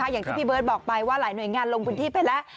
อย่างที่พี่เบิร์ตบอกไปว่าหลายหน่วยงานลงพื้นที่ไปแล้ว